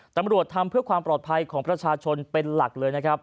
ตำรวจทำเพื่อความปลอดภัยของประชาชนเป็นหลักเลยนะครับ